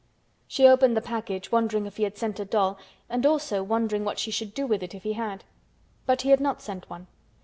She opened the package wondering if he had sent a doll, and also wondering what she should do with it if he had. But he had not sent one.